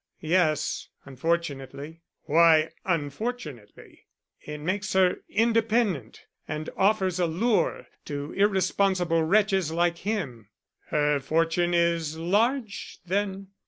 "Yes, unfortunately." "Why unfortunately?" "It makes her independent and offers a lure to irresponsible wretches like him." "Her fortune is large, then?"